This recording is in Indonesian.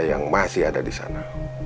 yang masih ada di sana